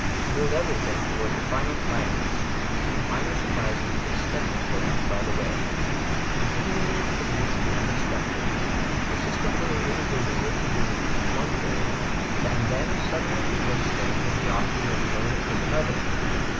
Build everything toward the final climax, using minor surprises as stepping stones by the way. Continually pro duce the unexpected. Persistently lead the reader to believe 3IO THE TECHNIQUE OF THE MYSTERY STORY one thing and then suddenly convince him that he ought to have known it was another!